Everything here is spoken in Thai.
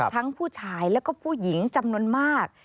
ทั้งผู้ชายแล้วก็ผู้หญิงจำนวนมาก